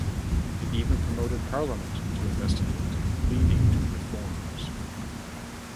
It even prompted parliament to investigate, leading to reforms.